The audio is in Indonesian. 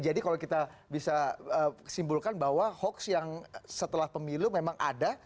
jadi kalau kita bisa simpulkan bahwa hoax yang setelah pemilu memang ada